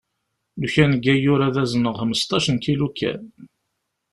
Lukan deg ayyur ad azneɣ xmesṭac n kilu kan.